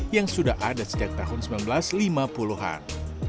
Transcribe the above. yang sudah ada sejak tahun seribu sembilan ratus lima puluh an